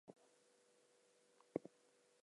Board members are limited to three terms.